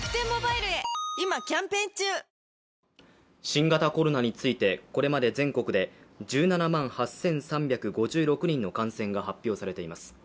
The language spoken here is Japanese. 新型コロナについてこれまで全国で１７万８３５６人の感染が発表されています。